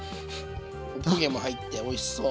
おこげも入っておいしそう。